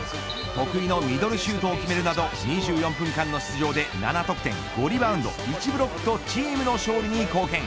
得意のミドルシュートを決めるなど２４分間の出場で７得点５リバウンド１ブロックとチームの勝利に貢献。